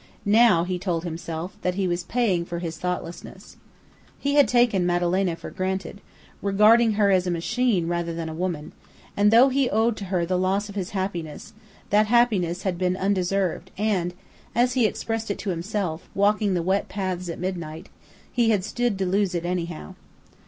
Now he told himself that he was paying for his thoughtlessness. He had taken Madalena for granted, regarding her as a machine rather than a woman; and though he owed to her the loss of his happiness, that happiness had been undeserved and, as he expressed it to himself, walking the wet paths at midnight, he had "stood to lose it anyhow."